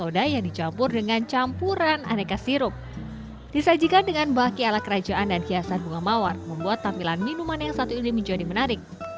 dicampur dengan campuran aneka sirup disajikan dengan baki ala kerajaan dan hiasan bunga mawar membuat tampilan minuman yang satu ini menjadi menarik